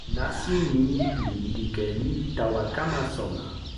nasin ni li ike lili tawa kama sona.